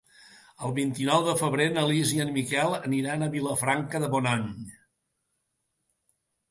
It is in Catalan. El vint-i-nou de febrer na Lis i en Miquel aniran a Vilafranca de Bonany.